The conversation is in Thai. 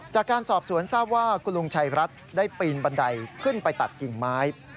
จากการสอบสวนทราบว่าคุณลุงชัยรัฐได้ปีนบันไดขึ้นไปตัดกิ่งไม้